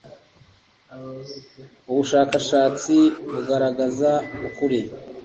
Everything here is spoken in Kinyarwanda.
ubushakashatsi bugaragaza ukuri.